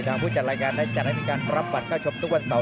ผู้จัดรายการได้จัดให้มีการรับบัตรเข้าชมทุกวันเสาร์